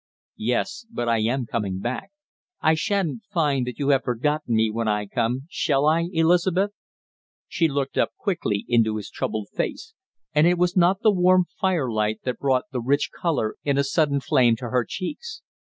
"Yes, but I am coming back. I shan't find that you have forgotten me when I come, shall I, Elizabeth?" She looked up quickly into his troubled face, and it was not the warm firelight that brought the rich color in a sudden flame to her cheeks.